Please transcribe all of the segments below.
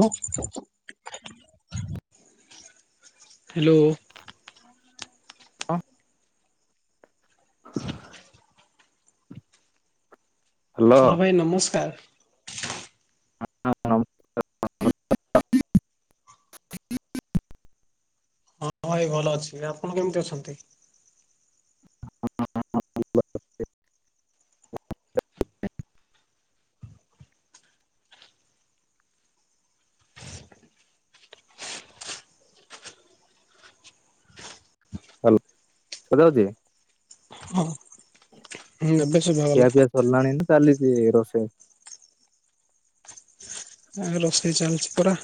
ଓ hello. ଅଁ [inaudible] hello hello ଭାଇ ନମସ୍କାର। ହଁଁ ନମ୍ ହଁ ଭାଇ ଭଲ ଅଛି ଆପଣ କେମିତି ଅଛନ୍ତି? [inaudible] ହଁ [unintelligible] ହୁଁ ଏବେ ଶୁଭା ଖିଆ ଗଲା। ପିଆ ସରିଲାଣି ନା ଚାଲିଛି ରୋଷେଇ? ଆଉ ରୋଷେଇ ଚାଲିଛି ପରା।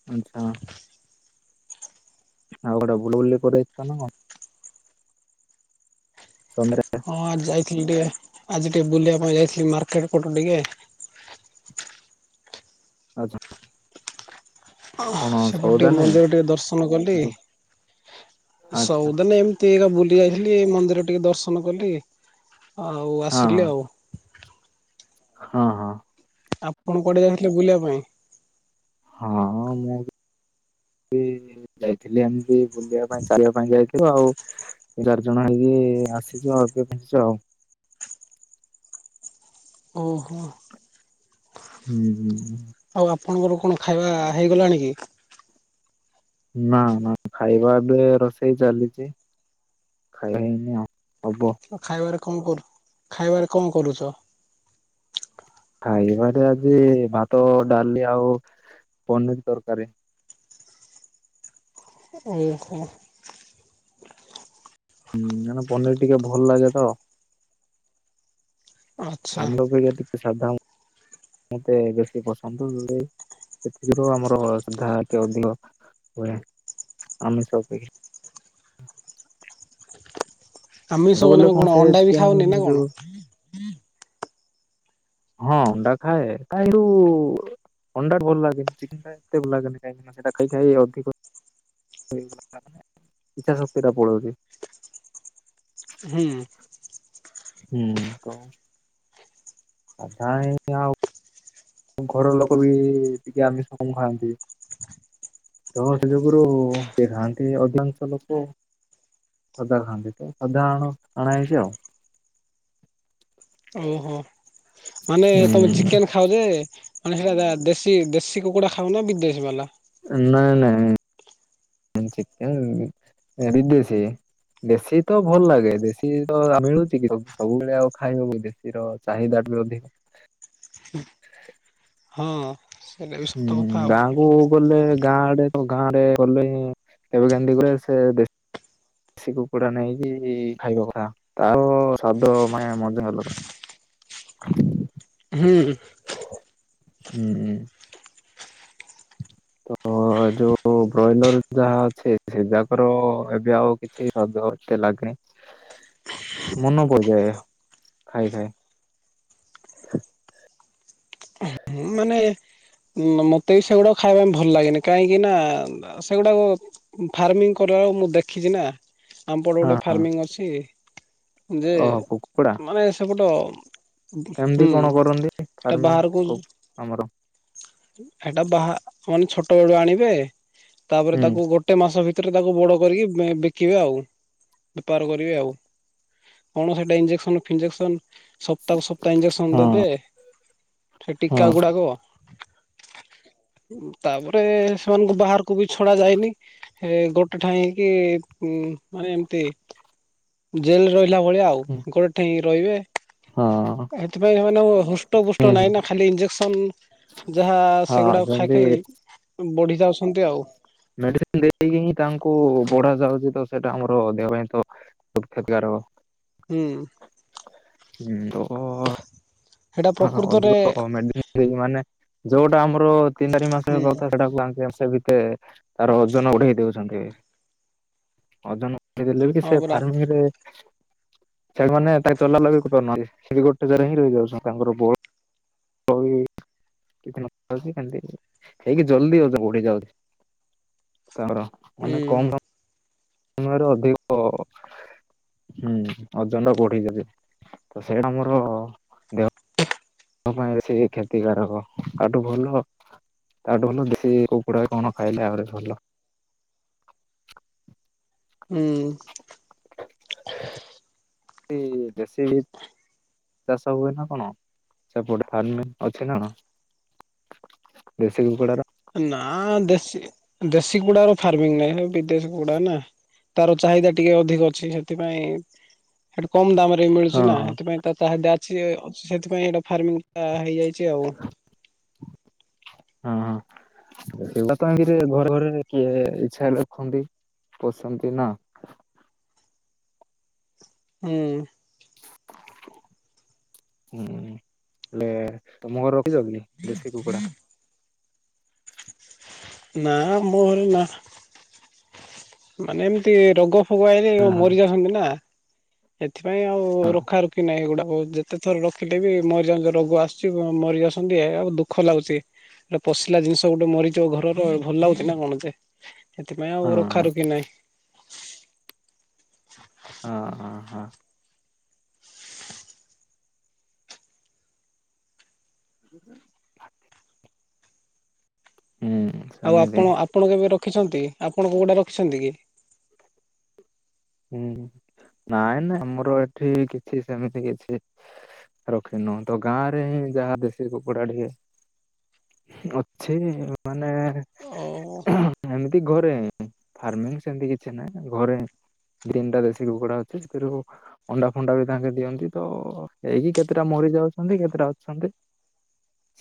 [unintelligible] ଆଉ କୁଆଡେ ବୁଲା ବୁଲି କରି ଯାଇଥିଲ ନା କଣ? [unintelligible] ହଁ ଯାଇଥିଲି ଟିକେ ଆଜି ଟିକେ ବୁଲିବା ପାଇଁ ଯାଇଥିଲି ମାର୍କେଟ ପଟୁ ଟିକେ। ଆଚ୍ଛା। କଣ ସେପଟ ସଉଦା ଟିକେ ମନ୍ଦିର ନେବେ? ଟିକେ ଦର୍ଶନ କଲି ଆଚ୍ଛା ସଉଦାନ ଏମ ତି ଏକା ବୁଲି ଯାଇଥିଲି ଏ ମନ୍ଦିର ଟିକେ ଦର୍ଶନ କଲି ଆଉ ଆସିଲି ହଁ ଆଉ। ହଁ। ହଁ ଆପଣ କୁଆଡେ ଯାଇଥିଲେ ବୁଲିବା ପାଇଁ? ହଁ ମୁଁ ଯାଇଥିଲି ଏମିତି ବୁଲିବା ପାଇଁ ଚାଲିବା ପାଇଁ ଯାଇ ଆଉ ଚାରି ଜଣ ହେଇକି [unintelligible] ଆସିଯଗ ପଞ୍ଚିଛ ଆଉ [unintelligible] ଓହୋ। ହୁଁ ହୁଁ। ଆଉ ଆପଣଙ୍କର କଣ ଖାଇବା ହେଇଗଲାଣି କି? ନା ନା ଖାଇବା ଏବେ ରୋଷେଇ ଚାଲିଛି। ଖାଇଆ ହେଇନି ଆଉ ହବ। ଖାଇବାରେ କଣ କରୁ ଖାଇବାରେ କଣ କରୁଛ? ଖାଇବାରେ ଆଜି ଭାତ ଡାଲି ଆଉ ପନିର ତରକାରୀ। [unintelligible] ହୁଁ କାରଣ ପନିର ଟିକେ ଭଲ ଲାଗେ ତ। ଆଚ୍ଛା [unintelligible] ଆମର କୋ ଟିକେ ସାାବଧ [unintelligible] ମତେ ବେଶୀ ପସନ୍ଦ ସେଥିରୁ ଆମର ସାଧା ଟିକେ ଅଧିକ। ବଢିଆ ଆମିଷ ଅପେକ୍ଷା। ଆମିଷ ବୋଲେ ମାନେ କଣ ସେ ଅଣ୍ଡା ବି ଚିକେନ ଖାଅନି ନା କଣ? ଯୋଉ ହଁ ଅଣ୍ଡା ଖାଏ କାଇଡୁ ଅଣ୍ଡା ଭଲ ଲାଗେ ଚିକେନ୍ ଟା ଏତେ ଭଲ ଲାଗେନି କାହିଁକିନା ସେଟା ଖାଇ ଖାଇ ଅଧିକ ଇଛା ଶକ୍ତିଟା ପଳଉଛି। ହୁଁ। ହୁଁ କହ। ଅଧା ହେଇନି ଆଉ। ଘରର ଲୋକ ବି ଟିକେ ଆମିଷ କମ ଖାଆନ୍ତି। ତ ସେ ଯୁଗୁରୁ ଦେ-ଖାଆନ୍ତି ଅଧିକାଂଶ ଲୋକ। ସାଧା ଖାଆନ୍ତି ତ ସାଧା ଆଣ- ଆଣା ହେଇଚି ଆଉ। ଓହୋ ମାନେ ତମ ହୁଁ ଚିକେନ୍ ଖାଅ ଯେ ମାନେ ସେଇଟା ଦେଶୀ -ଦେଶୀ କୁକୁଡ଼ା ଖାଉନା ବିଦେଶୀ ବାଲା? ନାଇଁ ନାଇଁ ଚିକେନ୍ ବିଦେଶୀ। ଦେଶୀ ତ ଭଲ ଲାଗେ ଦେଶୀ ତ ଆଉ ମିଳୁଚି କି ସବୁବେଳେ ଆଉ ଖାଇବ ବୋଲି ଦେ ଦେଶୀର ଚାହିଦାଟି ବି ଅଧିକା। ହଁ। ସେଇଟା ବି ସତ ହୁଁ କଥା ଆଉ। ଗାଁକୁ- ଗଲେ ଗାଁ ଆଡେ ଗାଁ ରେ ଗଲେ କେବେ କେନ୍ତି ସେ ଦେଶୀ କୁକୁଡ଼ା ନେଇକି ଖାଇବା କଥା ତାର ସ୍ଵାଦ ମାନେ ମଜା ଅଲଗା। ହୁଁ। ହୁଁ। [inaudible] ଯଉ ବ୍ରଏଲର ଯାହା ଅଛି ସେ ଯାକର ଏବେ ଆଉ କିଛି ସ୍ଵାଦ ଏତେ ଲାଗେନି। ମନ ଭରିଯାଏ ଖାଇ ଖାଇ। ହିଁ ମାନେ ମ-ମତେ ବି ସେଗୁଡା ଖାଇବା ପାଇଁ ଭଲ ଲାଗେନି କାହିଁକି ନା ସେଗୁଡାକୁ ଫାର୍ମିଂ କରିଲା ବଳକୁ ମୁଁ ଦେଖିଚି ନା। ଆମପଟେ ଗୋଟେ ହଁ ଫାର୍ମିଂ ଅଛି ଯେ ଓ କୁକୁଡା ମାନେ ସେ ପଟ କେମିତି କଣ କରନ୍ତି ଫାର୍ମିଂ କୁ-ଆମର? ହେଟା ବାହା- ମାନେ ଛୋଟ ବେଳୁ ଆଣିବେ ତାପରେ ହୁଁ ତାକୁ ଗୋ ଗୋଟେ ମାସ ଭିତରେ ତାକୁ ବଡ଼ କରିକି ଉଁ -ବିକିବେ ଆଉ ବେପାର କରିବେ ଆଉ। କଣ ସେଇଟା ଇଞ୍ଜେକ୍ସନ୍ ଫିଞ୍ଜେକ୍ସନ୍ ସପ୍ତାହକୁ ସପ୍ତାହ ଇଞ୍ଜେକ୍ସନ୍ ହଁ ଦେବେ ସେ ହଁ ଟୀକା ଗୁଡ଼ାକ ତାପରେ ସେମାନଙ୍କୁ ବାହାରକୁ ବି ଛଡା ଯାଇନି ସେ ଗୋଟେ ଠା ହେକି ମାନେ ଏମତି। ଜେଲ୍ ରେ ରହିଲା ଭଳିଆ ଆଉ ହୁଁ ଗୋଟେ ଠେଇଁ ରହିବେ। ହଁ ଏଥିପାଇଁ ସେମାନେ ହୃଷ୍ଟ ପୁଷ୍ଟ ହୁଁ ନାହିଁ ନା ଖାଲି ଇଞ୍ଜେକ୍ସନ୍ ଯାହା ହଁ ସେଗୁଡାକ ଖାଇ ସେମିତି ଖାଇ ବଢି ଯାଉଚନ୍ତି ଆଉ। ମେଡ଼ିସିନ୍ ଦେଇକି ହିଁ ତାଙ୍କୁ ବଢା ଯାଉଚି ତ ସେଇଟା ଆମର ଦେହ ପାଇଁ ତ କ୍ଷତିକାରକ ହୁଁ। ସେଇଟା ଆ ପ୍ରକୃତରେ ଅଧିକ ମେ ସେମାନେ ଯଉଟା ଆମର ତିନି ଚାରି ମାସ ହୁଁ ହେବ କୁ ତାଙ୍କେ ସେଟା କୁ ତାଙ୍କେ ତାର ଓଜନ ବଢେଇ ଦଉଚନ୍ତି ଓଜନ ବଢେଇ ଦେଲେ ହଁ ସେ ପରା ଫାର୍ମିଂରେ ଚଲାବୁଲା ଖାଲି ଗୋଟେ ଜାଗା ରେ ହିଁ ରହିଯାଉଛନ୍ତି ତାଙ୍କର ବ [unintelligible] ହୁଁ [unintelligible] ହୁଁ ଓଜନ୍ ଟା ବଢେଇ ଦିଅନ୍ତି ତ ସେଇଟା ମୋର ତୋ ପାଇଁ ବେଶି ସେ କ୍ଷତିକାରକ ତା ଠୁ ଭଲ ତାଠୁ ଭଲ ଦେଶୀ କୁକୁଡା କଣ ଖାଇଲେ ଆହୁରି ଭଲ। ହୁଁ। ଇ ଦେଶି ଚାଷ ହୁଏ ନା କଣ ସେପଟେ ଫାର୍ମ ଅଛି ନା କଣ୍? ଦେଶି କୁକୁଡ଼ାର ନା ଦେଶୀ -ଦେଶୀ କୁକୁଡାର ଫାର୍ମିଂ ନାହିଁ ହେରା ବିଦେଶୀ କୁକୁଡା ନା। ତାର ଚାହିଦା ଟିକେ ଅଧିକ ଅଛି ହେଥିପାଇଁ ହେଟି କମ୍ ଦାମ୍ ରେ ଫ ମିଳୁଛି ହଁ ନା ହଁ। ସେଥିପାଇଁ ତ ତା ଚାହିଦା ଅଛି ସେଥିପାଇଁ ସେଇଟା ଫାର୍ମିଙ୍ଗ ଟା ହେଇଯାଇଛି ଆଉ ହ ହଁ ଏଟ ତ ଘରେ ଘରେ କିଏ ଇଛା ରଖନ୍ତି ପଶନ୍ତି ନା ଏଁ। ହଁ ଲେ। ତମ ଘର ରଖିଛ କିି ଦେଶୀ କୁକୁଡ଼ା? ନା ମୋ ଘରେ ନାହଁ। ମାନେ ଏମତି ରୋଗ ଫୋଗ ଆଇଲେ ମରି ଯାଉଛନ୍ତି ନା। ସେଥିପାଇଁ ଆଉ ହଁ ହଁ। ରଖା ରଖି ନାହିଁ ଏଗୁଡାକ ବହୁତ ଯେ ଏତେଥର ରଖିଲେ ବି ମରିଯାଉଚନ୍ତି ରୋଗ ଆସୁଛି ମରିଯାଉସନ୍ତି ଆଉ ଦୁଃଖ ଲାଗୁଛି। ଗୋଟେ ପଶିଲା ଜିନିଷ ଗୋଟେ ମରିଚ ଘରର ଭଲ ଲାଗୁଛି ନା କଣ ଯେ ସେଥିପାଇଁ ଆଉ ରଖାାରୁଖି ନାହିଁ। ହଁ ହଁ ହଁ। ଯ ସ ଏଁ। ଆଉ ଆପଣ ଆପଣ କେବେ ରଖିଛନ୍ତି ଆପଣ କୁକୁଡା ରଖିଛନ୍ତି କି? ହୁଁ ନାଇଁ ନାାଇ ଆମର ଏଠି କିଛି ସେମିତି କିଛି ରଖିିନୁ ତ ଗାଁ ରେ ହିଁ ଯାହା ଦେଶୀ କୁକୁଡା ଟିକେ ବୃଥି ମାନେ ଓ ଏମିତି ଘରେ ଫାର୍ମିଂ ସେମିତି କିଛି ନାହିଁ ଘରେ। ତିନିଟା ଦେଶୀ କୁକୁଡା ଅଛି ସେଥିରୁ ଅଣ୍ଡା ଫଣ୍ଡା ବି ତାଙ୍କେ ଦିଅନ୍ତି ତ ହେଇକି କେତେଟା ମରିଯାଉଛନ୍ତି କେତେଟା ଅଛନ୍ତି।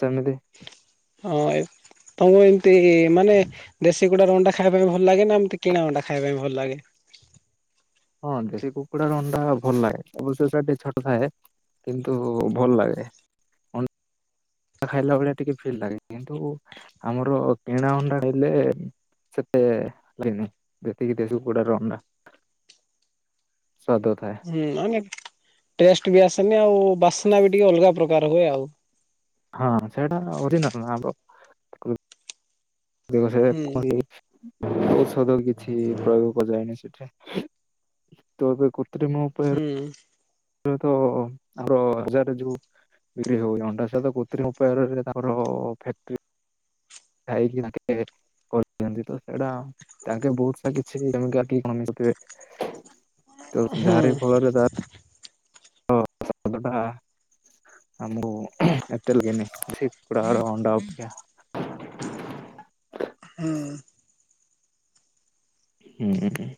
ସେମିିତି। ହଁ ଏ। ତମକୁ ଏମତି ମାନେ ଦେଶୀ କୁଡ଼ାର ଅଣ୍ଡା ଖାଇବା ପାଇଁ ଭଲ ଲାଗେ ନା ଏମତି କିଣା ଅଣ୍ଡା ଖାଇବା ପାଇଁ ଭଲ ଲାଗେ? ହଁ ଦେଶୀ କୁକୁଡାର ଅଣ୍ଡା ଭଲ ଲାଗେ ଅବସ୍ୟ ଟିକେ ଛୋଟ ଥାଏ। କିନ୍ତୁ ଭଲ୍ ଲାଗେ। ଅଣ୍ଡା ଖାଇଲା ଭଳିଆ ଟିକେ ଫିଲ୍ ଲାଗେ କିନ୍ତୁ ଆମର କିଣା ଅଣ୍ଡା ହେଲେ ସେତେ ହେନି ଯେତିକି ଦେଶୀ କୁକୁଡା ର ଅଣ୍ଡା ସ୍ୱାଦୁ ଥାଏ। ହୁଁ ହନେ ଟେଷ୍ଟ ବି ଆସେନି ଆଉ ବାସ୍ନା ବି ଟିକେ ଅଲଗା ପ୍ରକାର ହୁଏ ଆଉ। ହଁ ସେଟା ଓରି ଲାଗ ଭାଙ୍ଗ। ଦୀବର୍ଷକେ ହୁଁ କଲି। ଔଷଧ କିଛି ପ୍ରୟୋଗ କରା ଯାଏନି ସେଠି ତୋ ଏବେ କ ତୁମ ଉପରେ ହୁଁ ହୁଏଡ ଆମର ହଜାର ଯୋଉ ବିକ୍ରି ହବ ଅଣ୍ଡା ସହିତ କୃତ୍ରିମଉପାୟରେ ତାଙ୍କର ଫାଟ୍ରି ଯାଇ କିନା କେତେ କରିିଚନ୍ତି ତ ସେଇଡା ତାଙ୍କେ ବହୁତ ସା କିଛି ଗାଡିଘନେଥିବେ। ହୁଁ ଯହାରେ ଘରେ ବାତ ହଁ ସତକଥା ଆମକୁ ଏତୋ ଲୋଗିନେ। ରହ ରହ ଅଣ୍ଡାଳୁ କିଆଁ। ହଁ। ମୁଁ ବି ଥିଲି।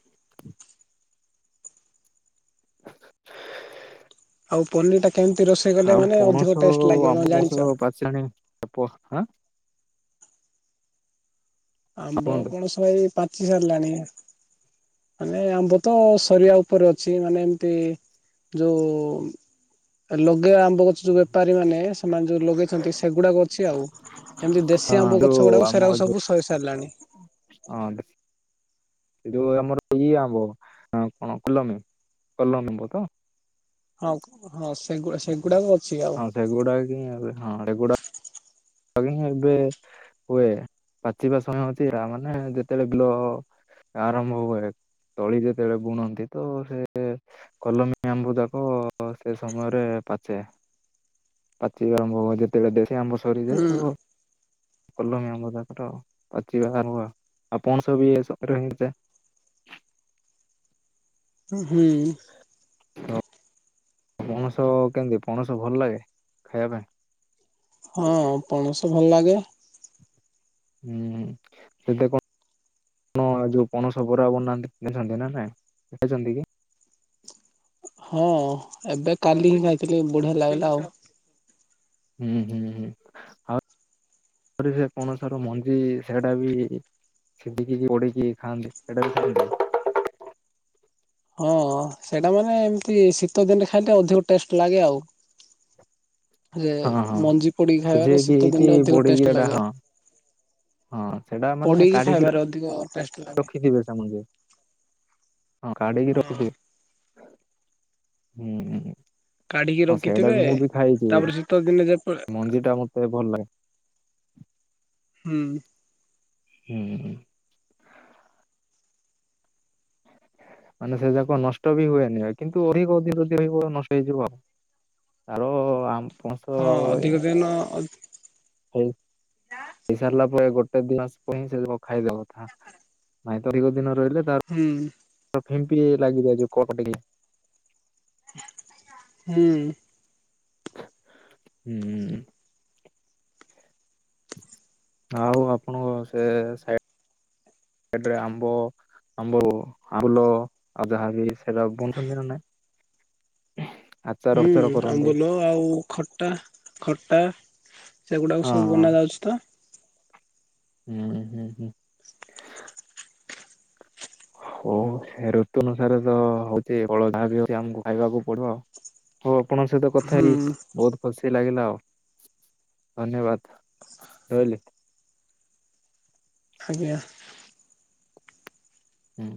ଆଉ ପନିର ଟା କେମିତି ରୋଷେଇ କଲେ ବୋଲେ ଅଧିକ ଟେଷ୍ଟେ ଲାଗିବ ତମେ ଜାଣିଛ? ସେଣି ଅପ୍ଲ ହଁ। ଆମ୍ବ କୁହନ୍ତୁ ଆପଣ ଶବୁ ପାଚି ସାରିଲାଣି। ମାନେ ଆମ୍ବ ତ ସରିବା ଉପରେ ଅଛି ମାନେ ଏମତି। ଯୋଉ ଲଗେବା ଆରମ୍ଵ। ଯୋଉ ବେପାରୀ ମାନେ ସେମାନେ ଯୋଉ ଲଗେଇଛନ୍ତି ସେଗୁଡାକ ଅଛି ଆଉ। ଏମିତି ହଁ ଦେଶୀ ଆମ୍ବ ଯୋଉ ଗଛ ଗୁ ଡାକ ସ ଆମ ସେଇଟାକୁ ଯୋଉ ସବୁ ସ ହେଲାଣି [unintelligible] ଏଇ ଯୋଉ ଆମର ଇଏ ଆମ୍ୱ କଣ କଲମି କଲମି ଆମ୍ୱ ତ? ହଁ ହଁ ସେଗୁ ସେଗୁଡାକ ଅଛି ଆଉ। ସେ ଗୁଡ଼ା ହିଁ [unintelligible] ସେଗୁଡାକ କଲିମି ଏବେ ହୁଏ ପାଚିବା ସମୟ ଅଛି ମାନେ ଯେତେବେଳେ ଆରମ୍ଭ ହୁଏ ତଳି ଯେତେବେଳେ ବୁଣନ୍ତି ତ ସେ କଲମୀ ଆମ୍ବ ଯାକ ସେ ସମୟରେ ପାଚେ। ପାଚିଲେ ଆମ୍ୱ ଯେତେବଳେ ଦେଖେ ଆମ୍ବ ହୁଁ ସରିଯାଏ ତ କଲମି ଆମ୍ୱ ପାଚି [inaudible] ପଣସ ବି [unintelligible] ହେଇଥାଏ। ହୁଁ। ପଣସ କେମିତି ପଣସ ଭଲ ଲାଗେ ଖାଇବା ପାଇଁ। ହଁ ପଣସ ଭଲ ଲାଗେ। ହୁଁ ସେଟ କଣ ଆପଣ ଯୋଉ ପଣସ ବରା ବନାନ୍ତି ଖାଇଛନ୍ତି ନା ନାଇ ଦେଖଛନ୍ତି କି? ହଁ ଏବେ କାଲି ହିଁ ଖାଇଥିଲି ବୁଢୀଆ ଲାଗିଲା ଆଉ। ହୁଁ ହୁଁ ହୁଁ ହଉ। କରିହୁଏ ପଣାସର ମଞ୍ଜି ସେଇଟା ବି ସିଝିକି ପୋଡ଼ିକି ଖାଆନ୍ତି ଏଇଟା ବି ହଁ ସେଇଟା ମାନେ ଏମିତି ଶୀତ ଦିନରେ ଖାଇଲେ ଅଧିକ ଟେଷ୍ଟ ଲାଗେ ଆଉ। ହଁ ହଁ ମଞ୍ଜି ପୋଡିିକି ଖାଇବାରେ ସିଝେଇକି ଶୀତ କି ଦିନରେ ଅଧିକ ପୋଡିକି ଟେଷ୍ଟ ଏଟା ଲାଗେ। ହଁ ହଁ ସେଟା ମାନେ ପୋଡିକି କାଢିକି ର ଖାଇବାରେ ଅଧିକ ଟେଷ୍ଟ ଲାଗେ। ରଖିଥିବେ ସେମାନେ ହଁ କାଢିକି ହଁ ରଖିଥିବେ ହୁଁ ହୁଁ ହୁଁ। କାଢିକି ରଖିଥିବେ ତାପରେ ଶୀତ ଦିନେ ଯେତଳେ ମଞ୍ଜି ଟା ମତେ ଭଲ ଲାଗେ ହୁଁ। ହୁଁ। ମାନେ ସେ ଯାକ ନଷ୍ଟ ବି ହୁଏନି ଭାଇ କିନ୍ତୁ ଅଧିକ ଅଧିକ ଯଦି ରହିବ ନଷ୍ଟ ହେଇଯିବ ଆଉ। ଆଉ ଆମ ପଣଷ ହଁ ଇଏ [unintelligible] ଖାଇ ଖାଇସାରିଲା ପରେ ଗୋଟେ ଦିନ ପରେ ହିଁ ସେ ଖାଇଦବ କଥା। ନାଇଁ ତ ଅଧିକ ଦିନ ରହିଲେ ତାର ହୁଁ ଫିମ୍ପି ଲାଗିଯାଏ ଯୋଉ କଉ [unintelligible] ହୁଁ ହୁଁ ଆଉ ଆପଣଙ୍କ ସେ ସା କେତେବେଳେ ଆମ୍ବ ଆମ୍ବ ଆମ୍ବୁଲ ଆଉ ଯାହାବି ସେଟା ବନଛନ୍ତି ନା ନାଇଁ। ଆଚାର ହୁଁ ଫାଚାର କରନ୍ତି। ଆମ୍ବୁଲ ଆଉ ଖଟା ଖଟା। ସେଗୁଡାକୁ ହଁ ସବୁ ବନା ଯାଉଛି ତ। ହୁଁ ହୁଁ ହୁଁ। ହଉ ସେ ଋତୁ ଅନୁସାରେ ତ ହଉଛି ଅଳଦା ବି ହଉଛି ଆମକୁ ଖାଇବାକୁ ପଡିବ ଆଉ। ହଉ ଆପଣଙ୍କ ସହିତ କଥା ହୁଁ ହେଇ ବହୁତ ଖୁସି ଲାଗିଲା ଆଉ ଧନ୍ୟବାଦ ରହିଲି। ଆଜ୍ଞା। ହୁଁ।